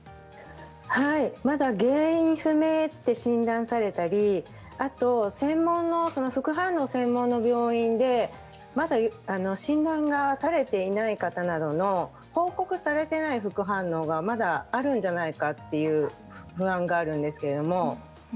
まだ原因不明と診断されたり専門の副反応専門の病院でまだ診断されていない方などの報告されていない副反応があるんじゃないかという不安があります。